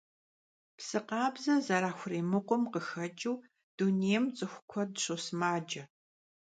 Psı khabze zeraşıxurimıkhum khıxeç'ıu dunêym ts'ıxu kued şosımace.